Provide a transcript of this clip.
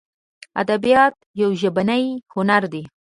ادبیات یو ژبنی هنر دی.